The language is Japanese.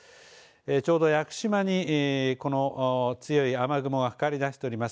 ちょうど屋久島に強い雨雲がかかりだしております。